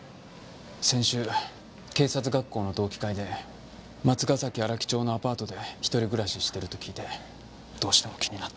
先週警察学校の同期会で松ヶ崎荒木町のアパートでひとり暮らししてると聞いてどうしても気になって。